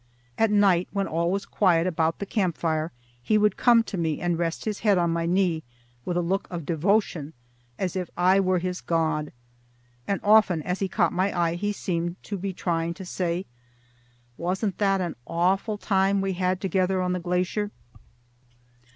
At night, when all was quiet about the camp fire, he would come to me and rest his head on my knee with a look of devotion as if I were his god. And often as he caught my eye he seemed to be trying to say, "Wasn't that an awful time we had together on the glacier?"